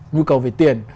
nhu cầu về tiền